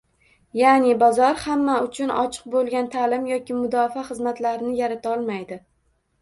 Ya'ni, bozor hamma uchun ochiq bo'lgan ta'lim yoki mudofaa xizmatlarini yaratolmaydi